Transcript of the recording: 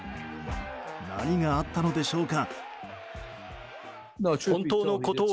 何があったのでしょうか？